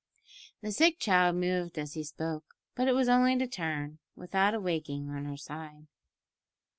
The sick child moved as he spoke, but it was only to turn, without awaking, on her side.